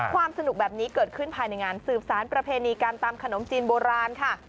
ความสนุกแบบนี้เกิดขึ้นภายในงานสืบสารประเพณีการตำขนมจีนโบราณค่ะ